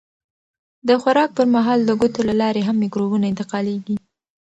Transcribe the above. د خوراک پر مهال د ګوتو له لارې هم مکروبونه انتقالېږي.